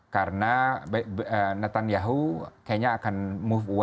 karena netanyahu kayaknya akan bergerak ke sana